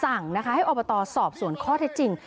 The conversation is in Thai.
สั่งนะคะให้อบตสอบสวนข้อเท็จจริง